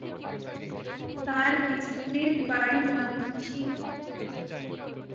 তার স্ত্রীর বাড়ি ময়মনসিংহে।